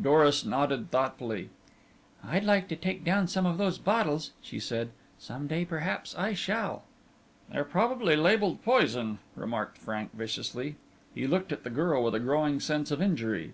Doris nodded thoughtfully. "I'd like to take down some of those bottles," she said. "Some day perhaps I shall." "They're probably labelled poison," remarked Frank viciously. He looked at the girl with a growing sense of injury.